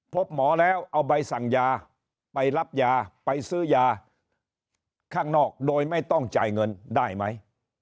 พบหมอแล้วเอาใบสั่งยาไปรับยาไปซื้อยาข้างนอกโดยไม่ต้องจ่ายเงินได้ไหม